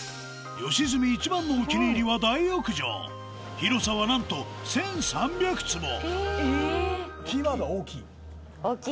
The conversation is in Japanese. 良純一番のお気に入りは大浴場広さはなんと大きい。